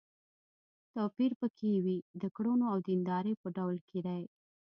توپير په کې وي د کړنو او د دیندارۍ په ډول کې دی.